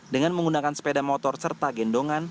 dengan menggunakan sepeda motor serta gendongan